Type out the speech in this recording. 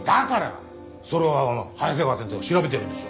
それを早瀬川先生が調べてるんでしょ。